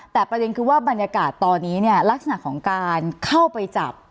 แต่ประเด็นคือว่าบรรยากาศตอนนี้เนี่ยลักษณะของการเข้าไปจับ